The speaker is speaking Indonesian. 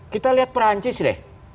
kita lihat perancis deh